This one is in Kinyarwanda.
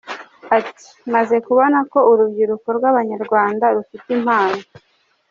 Ati” Maze kubona ko urubyiruko rw’Abanyarwanda rufite impano.